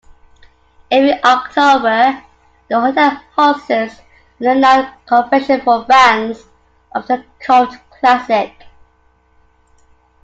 Every October the hotel hosts an annual convention for fans of the cult classic.